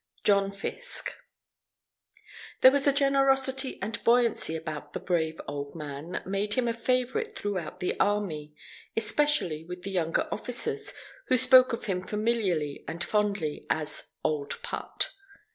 JOHN FISKE There was a generosity and buoyancy about the brave old man, that made him a favourite throughout the Army; especially with the younger officers, who spoke of him familiarly and fondly as "Old Put."